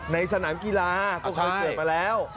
ในสถานกีฬาตรงนั้นเกิดต้อยมาแล้ว